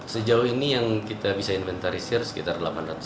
sejauh ini yang kita bisa inventarisir sekitar delapan ratus